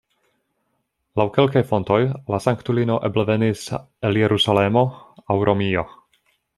Laŭ kelkaj fontoj, la sanktulino eble venis el Jerusalemo aŭ Romio.